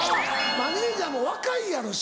マネジャーも若いやろしな。